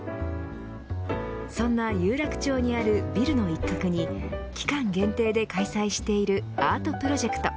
そんな有楽町にあるビルの一角に期間限定で開催しているアートプロジェクト。